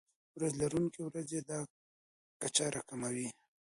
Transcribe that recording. وریځ لرونکي ورځې دا کچه راکموي.